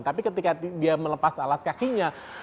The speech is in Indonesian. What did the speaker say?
tapi ketika dia melepas alas kakinya